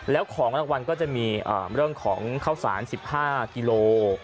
แล้วของรางวัลก็จะมีเรื่องของข้าวสาร๑๕กิโล